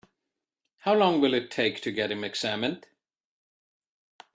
How long will it take to get him examined?